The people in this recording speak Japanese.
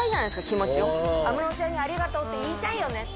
気持ちを安室ちゃんにありがとうって言いたいよね